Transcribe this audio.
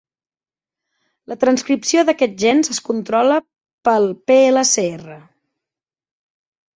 La transcripció d'aquests gens es controla per "PlcR".